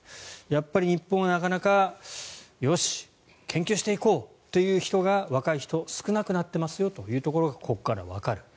やっぱり日本はなかなかよし、研究していこうという若い人、少なくなっていますよということがここからわかる。